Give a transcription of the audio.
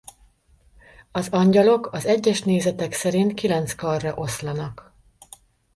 Az angyalok az egyes nézetek szerint kilenc karra oszlanak.